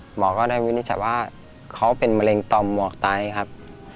หมอก็ได้วินิจฉัยว่าเขาเป็นมะเร็งต่อมหมวกไตครับ